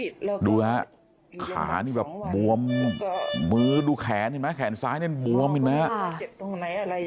ดูฮะขานี่แบบบวมมือดูแขนเห็นไหมแขนซ้ายเนี่ยบวมเห็นไหมฮะ